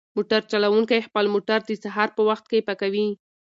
موټر چلونکی خپل موټر د سهار په وخت کې پاکوي.